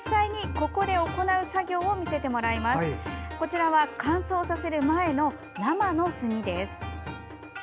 こちらは、乾燥させる前の生の墨です。